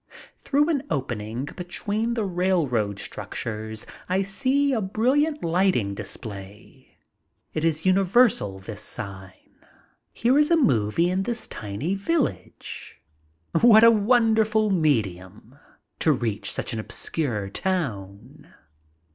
Through an opening between the railroad structures I see a brilliant lighting display. It is universal, this sign. Here is a movie in this tiny village. What a wonderful medium, to reach such an obscure town.